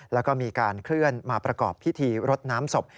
แล้วก็มีการเคลื่อนมาประกอบพิธีรดน้ำศพ